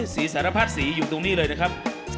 สารพัดสีอยู่ตรงนี้เลยนะครับ